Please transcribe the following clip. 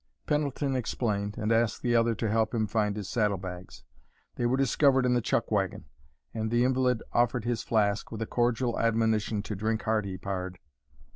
Pendleton explained, and asked the other to help him find his saddle bags. They were discovered in the chuck wagon, and the invalid offered his flask, with a cordial admonition to "drink hearty, pard."